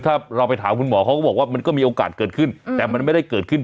มาดูเรื่องราวความน่ารักของเด็กกันเลย